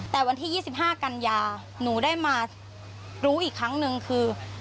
แต่วันที่๒๕กันยาหนูได้มารู้อีกครั้งหนึ่งคือ